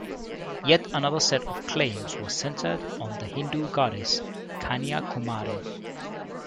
Yet another set of claims was centered on the Hindu goddess Kanya Kumari.